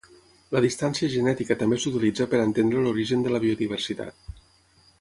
La distància genètica també s'utilitza per a entendre l'origen de la biodiversitat.